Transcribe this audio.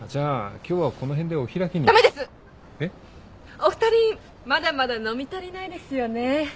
お二人まだまだ飲み足りないですよね？